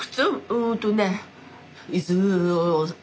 うんとね。